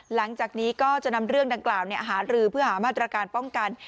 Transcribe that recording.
หลังจากนี้ก็จะนำเรื่องดังกล่าวหารือเพื่อหามาตรการป้องกัน